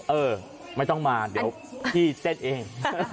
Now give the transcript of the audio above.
เออไม่ต้องมาเดี๋ยวพี่เต้นเอง